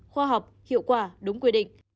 khoa học hiệu quả đúng quy định